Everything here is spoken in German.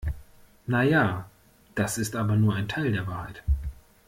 Naja, das ist aber nur ein Teil der Wahrheit.